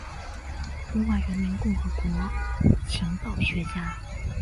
中华人民共和国情报学家。